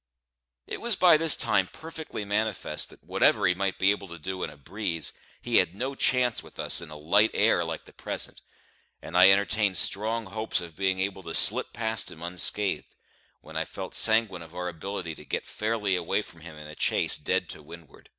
It was by this time perfectly manifest that whatever he might be able to do in a breeze, he had no chance with us in a light air like the present; and I entertained strong hopes of being able to slip past him unscathed, when I felt sanguine of our ability to get fairly away from him in a chase dead to windward.